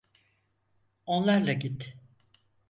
Onlarla git.